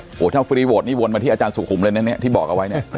หัวถ้าฟรีโวทนี้วนมาที่อาจารย์สุขุมที่บอกเอาไว้